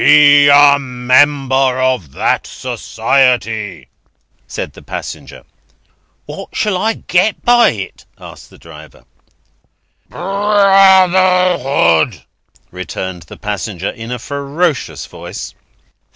"Be a Member of that Society," said the passenger. "What shall I get by it?" asked the driver. "Brotherhood," returned the passenger, in a ferocious voice.